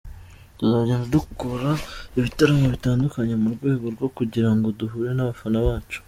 Tuzagenda dukora ibitaramo bitandukanye mu rwego rwo kugira ngo duhure n'abafana bacu.